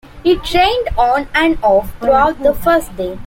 It rained on and off throughout the first day.